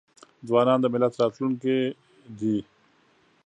ځوانان د ملت راتلونکې دي.